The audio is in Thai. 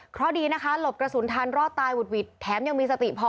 เพราะดีนะคะหลบกระสุนทันรอดตายหุดหวิดแถมยังมีสติพอ